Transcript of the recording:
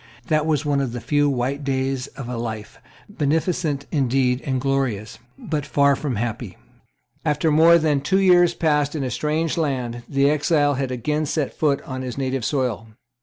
That was one of the few white days of a life, beneficent indeed and glorious, but far from happy. After more than two years passed in a strange land, the exile had again set foot on his native soil.